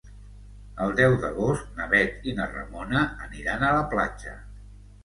El deu d'agost na Bet i na Ramona aniran a la platja.